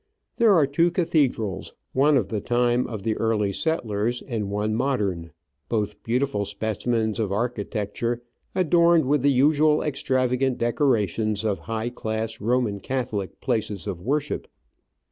There are two cathedrals, one of the time of the early settlers, and one modern — both beautiful specimens of architecture, adorned with the usual extravagant decorations of high class Roman Catholic places of worship.